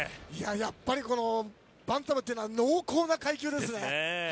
やっぱり、バンタムは濃厚な階級ですね。